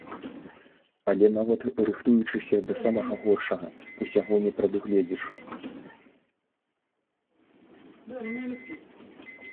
Але, нават рыхтуючыся да самага горшага, усяго не прадугледзіш.